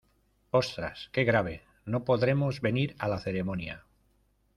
Ostras, qué grave, no podremos venir a la ceremonia.